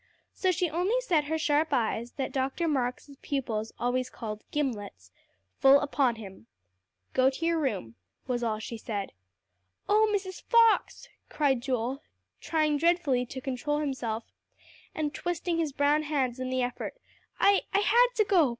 So she only set her sharp eyes, that Dr. Marks' pupils always called "gimlets," full upon him. "Go to your room," was all she said. "Oh Mrs. Fox," cried Joel, trying dreadfully to control himself, and twisting his brown hands in the effort, "I I had to go.